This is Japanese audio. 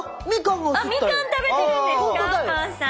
みかん食べてるんですかおかあさん。